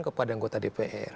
kepada anggota dpr